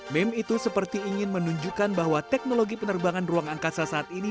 meme itu seperti ingin menunjukkan bahwa teknologi penerbangan ruang angkasa saat ini